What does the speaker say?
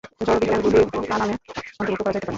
জড়বিজ্ঞানগুলিও প্রাণায়ামের অন্তর্ভুক্ত করা যাইতে পারে।